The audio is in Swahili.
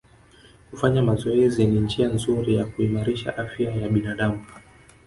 Kufanya mazoezi ni njia nzuri ya kuimarisha afya ya binadamu